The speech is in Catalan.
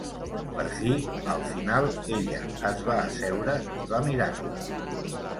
Per fi, al final, ella es va asseure i va mirar-la.